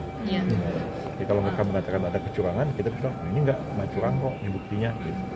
jadi kalau mereka mengatakan ada kecurangan kita bisa bilang ini enggak enggak curang kok ini buktinya